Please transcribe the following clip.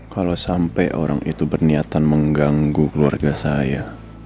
kalau sampai orang itu berniatan mengganggu keluarga saya